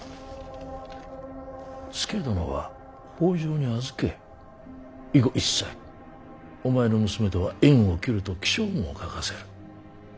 佐殿は北条に預け以後一切お前の娘とは縁を切ると起請文を書かせる。